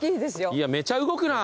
いやめちゃ動くなぁ！